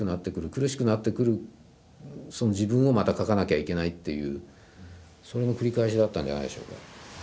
苦しくなってくるその自分をまた書かなきゃいけないっていうそれの繰り返しだったんじゃないでしょうか。